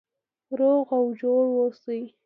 روغ او جوړ اوسئ.